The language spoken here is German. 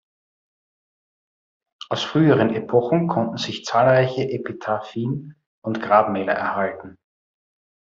Aus früheren Epochen konnten sich zahlreiche Epitaphien und Grabmäler erhalten.